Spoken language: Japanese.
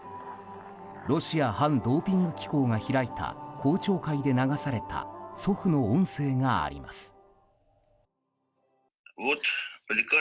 ロシア反ドーピング機構が開いた公聴会で流された祖父の音声があります。